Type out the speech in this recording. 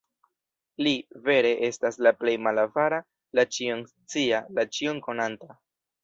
Li, vere, estas la Plej Malavara, la Ĉion-Scia, la Ĉion-Konanta.